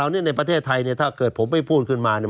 อันนี้ในประเทศไทยเนี่ยถ้าเกิดผมไม่พูดขึ้นมาเนี่ย